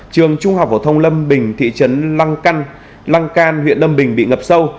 trường trung học phổ thông lâm bình thị trấn lăng can huyện lâm bình bị ngập sâu